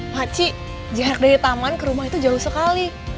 paci jarak dari taman ke rumah itu jauh sekali